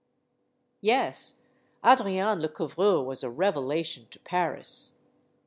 Yes, Adrienne Lecouvreur was a revelation to Paris.